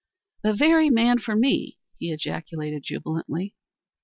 "The very man for me!" he ejaculated, jubilantly.